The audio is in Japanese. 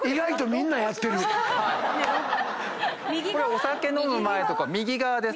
お酒飲む前とか右側。